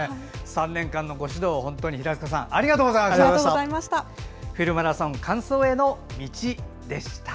３年間のご指導、平塚さんありがとうございました。